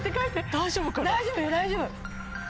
大丈夫よ大丈夫。